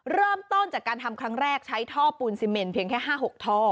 เริ่มต้นจากการทำครั้งแรกใช้ท่อปูนซีเมนเพียงแค่๕๖ท่อ